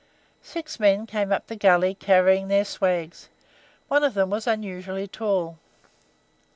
Six men came up the gully carrying their swags, one of them was unusually tall.